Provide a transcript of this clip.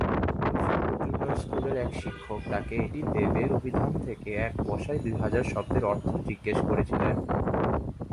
Rasulpur junior স্কুলের এক শিক্ষক তাকে এ টি দেবের অভিধান থেকে এক বসায় দুই হাজার শব্দের অর্থ জিজ্ঞেস করেছিলেন।